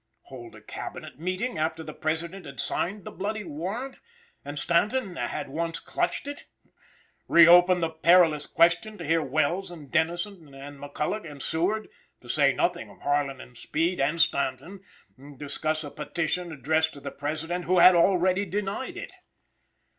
Hold a Cabinet meeting after the President had signed the bloody warrant, and Stanton had once clutched it! Reopen the perilous question to hear Welles and Dennison, and McCulloch and Seward, to say nothing of Harlan and Speed And Stanton, discuss a petition addressed to the President who had already denied it!